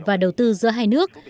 và đầu tư giữa hai nước